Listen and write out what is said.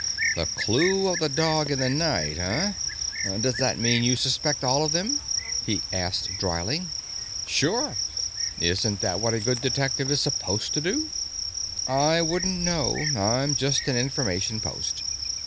"The clue of the dog in the night, huh? Does that mean you suspect all of them?" he asked dryly. "Sure. Isn't that what a good detective is supposed to do?" "I wouldn't know; I'm just an information post.